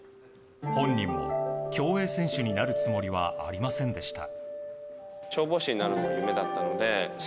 本人も競泳選手になるつもりはありませんでした。